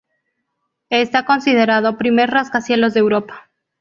Está considerado primer rascacielos de Europa.